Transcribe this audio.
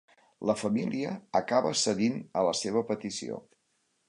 La família acaba cedint a la seva petició.